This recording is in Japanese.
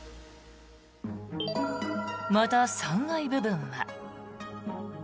また、３階部分は。